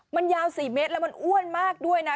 มันยาว๔เมตรแล้วมันอ้วนมากด้วยนะ